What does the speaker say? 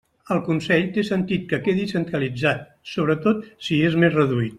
El Consell té sentit que quede centralitzat, sobretot si és més reduït.